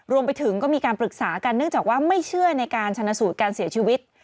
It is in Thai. รวมไปถึงก็มีการปรึกษากันเนื่องจากว่าไม่เชื่อในการชนะสูตรการเสียชีวิต